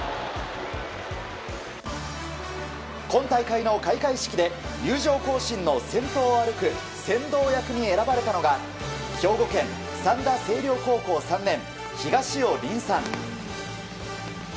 今大会の開会式で入場行進の先頭を歩く先導役に選ばれたのが兵庫県、三田西陵高校３年東尾凜さん。